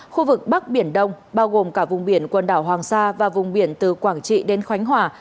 khu vực bắc biển đông bao gồm cả vùng biển quần đảo hoàng sa và vùng biển từ quảng trị đến khánh hòa